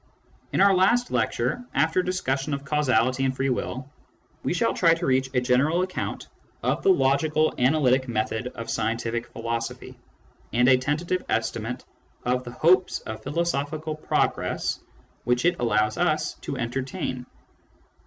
In our last lecture, after a discussion of causality and free will, we shall try to reach a general account of the logical analytic method of scientific philosophy, and a tentative estimate of the hopes of philosophical progress which it allows us to entertain.